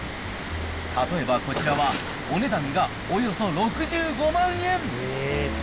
例えばこちらは、お値段がおよそ６５万円。